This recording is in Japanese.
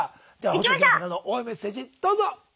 星野源さんからの応援メッセージどうぞ！